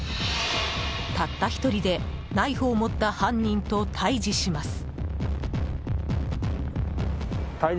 たった１人でナイフを持った犯人と対峙します。